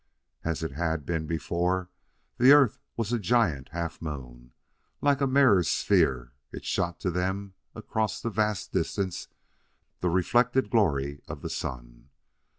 As it had been before, the Earth was a giant half moon; like a mirror sphere it shot to them across the vast distance the reflected glory of the sun.